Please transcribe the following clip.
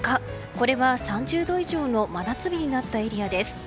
これは３０度以上の真夏日になったエリアです。